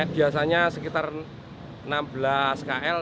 biasanya sekitar enam belas kl